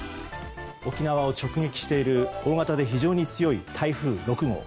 沖縄を直撃している大型で非常に強い台風６号。